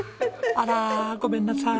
あらごめんなさい。